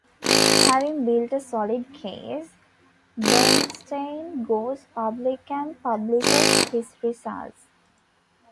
Having built a solid case, Bernstein goes public and publishes his results.